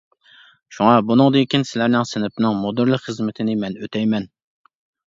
شۇڭا بۇنىڭدىن كىيىن سىلەرنىڭ سىنىپنىڭ مۇدىرلىق خىزمىتىنى مەن ئۆتەيمەن.